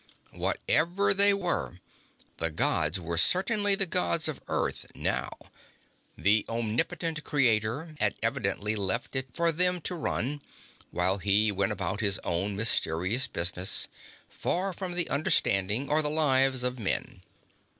Whatever they were, the Gods were certainly the Gods of Earth now. The Omnipotent Creator had evidently left it for them to run, while he went about his own mysterious business, far from the understanding or the lives of men.